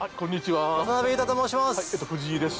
渡辺裕太と申します。